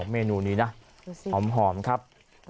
เมนูนี้นะหอมครับ